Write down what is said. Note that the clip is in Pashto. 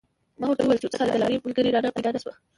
ما ورته و ویل چې استاده د لارې ملګری رانه پیدا نه شو.